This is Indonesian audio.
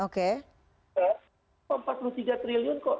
kok empat puluh tiga triliun kok